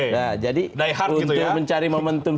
nah jadi untuk mencari momentum